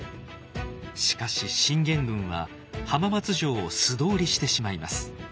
しかし信玄軍は浜松城を素通りしてしまいます。